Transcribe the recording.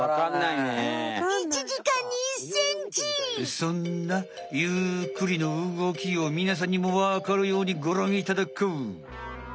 そんなゆっくりの動きをみなさんにもわかるようにごらんいただこう！